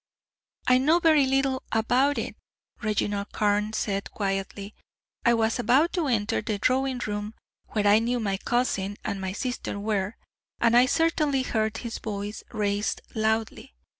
"I know very little about it," Reginald Carne said, quietly. "I was about to enter the drawing room, where I knew my cousin and my sister were, and I certainly heard his voice raised loudly.